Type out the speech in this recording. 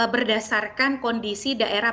berdasarkan kondisi daerah